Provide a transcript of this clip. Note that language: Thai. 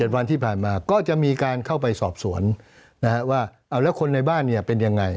๗วันที่ผ่านมาก็จะมีการเข้าไปสอบสวนแล้วคนในบ้านเป็นยังไง